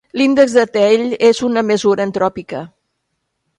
L'índex de Theil és una mesura entròpica.